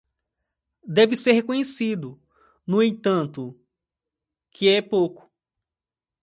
Deve ser reconhecido, no entanto, que é pouco.